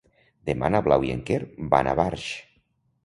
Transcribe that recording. Demà na Blau i en Quer van a Barx.